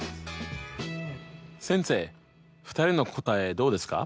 先生２人の答えどうですか？